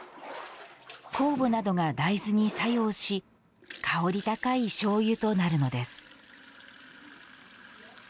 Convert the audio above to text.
酵母などが大豆に作用し香り高いしょうゆとなるのです。